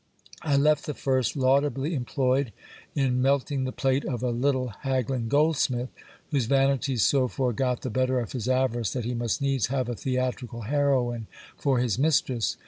I left the first laudably employed in melting the plate of a little haggling goldsmith, whose vanity so far got the better of his avarice that he must needs have a theatrical heroine for his mistress.